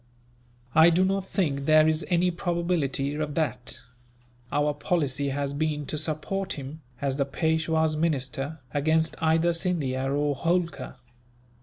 "I do not think there is any probability of that. Our policy has been to support him, as the Peishwa's minister, against either Scindia or Holkar.